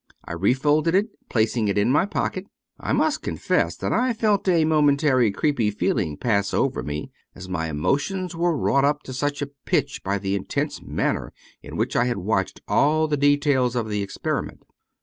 I refolded it, placing it in my pocket I must confess that I felt a momentary creepy feeling pass over me, as my emotions were wrought up to such a pitch by the intense manner in which I had watched all the details of the experiment.